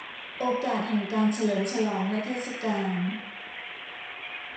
โอกาสแห่งการเฉลิมฉลองและเทศกาล